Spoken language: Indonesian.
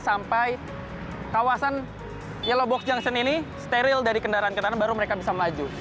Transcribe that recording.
sampai kawasan yellow box junction ini steril dari kendaraan kendaraan baru mereka bisa melaju